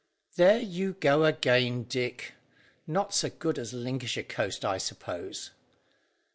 "There you go again, Dick; not so good as Lincolnshire coast, I suppose?"